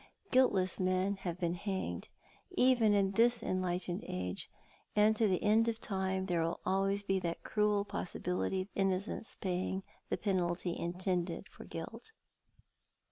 Guiltless men have been hanged, even in this enlightened age, and to the end of time there will always be that cruel possibility of innocence paying the penalty intended for guilt.